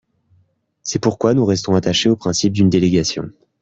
C’est pourquoi nous restons attachés au principe d’une délégation.